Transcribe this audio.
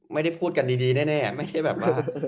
ไม่ได้พูดกันดีแน่ไม่ใช่แบบว่า